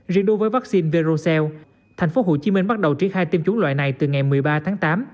riêng đối với vaccine verocell thành phố hồ chí minh bắt đầu triết khai tiêm chủng loại này từ ngày một mươi ba tháng tám